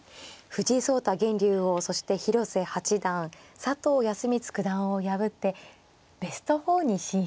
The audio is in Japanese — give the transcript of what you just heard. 藤井聡太現竜王そして広瀬八段佐藤康光九段を破ってベスト４に進出しています。